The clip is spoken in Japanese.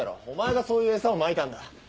お前がそういう餌をまいたんだ。